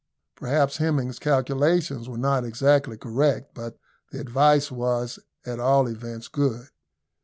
Perhaps Hemming's calculations were not exactly correct, but the advice was, at all events, good.